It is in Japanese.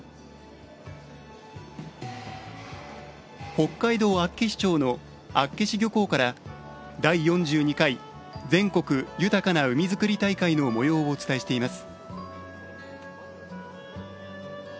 北海道厚岸町の厚岸漁港から「第４２回全国豊かな海づくり大会」のもようを、お伝えしています。